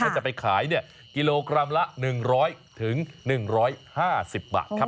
ถ้าจะไปขายกิโลกรัมละ๑๐๐๑๕๐บาทครับ